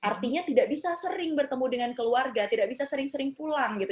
artinya tidak bisa sering bertemu dengan keluarga tidak bisa sering sering pulang gitu